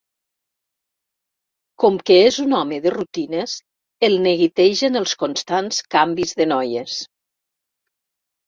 Com que és un home de rutines, el neguitegen els constants canvis de noies.